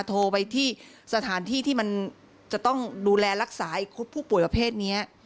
โทรไปที่สถานที่ที่มันจะต้องดูแลรักษาผู้ป่วยประเภทนี้